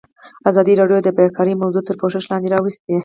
ازادي راډیو د بیکاري موضوع تر پوښښ لاندې راوستې.